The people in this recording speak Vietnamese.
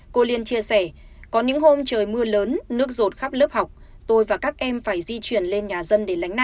cô liên chia sẻ có những hôm trời mưa lớn nước rột khắp lớp học tôi và các em phải di chuyển lên nhà dân